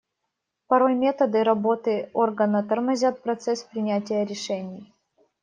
Порой методы работы органа тормозят процесс принятия решений.